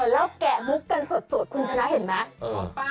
แล้วแกะมุกกันสดคุณชนะเห็นไหม